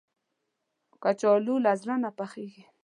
کچالو له زړه نه پخېږي